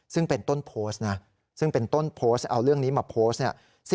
ซึ่งเป็นต้นโพสต์นะเอาเรื่องนี้มาโพสต์